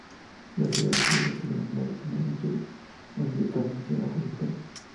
La ciudad recibió la ciudadanía latina y entró en decadencia bajo el imperio.